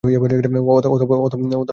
অথবা ডিম।